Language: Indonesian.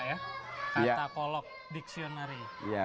saya sedang menyusun buku kamus ya pak ya kanta kolok dictionary